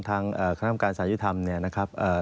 ทางคณะกรรมการสายุธรรมเนี่ยนะครับ